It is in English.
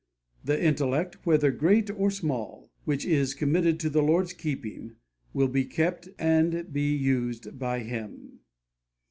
The intellect, whether great or small, which is committed to the Lord's keeping, will be kept and will be used by Him.